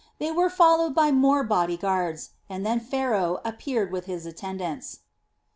They were followed by more body guards, and then Pharaoh appeared with his attendants.